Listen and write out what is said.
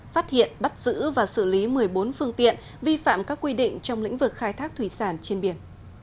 phát hiện bắt giữ và xử lý một mươi bốn phương tiện vi phạm các quy định trong lĩnh vực khai thác thủy sản trên biển